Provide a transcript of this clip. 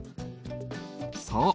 そう。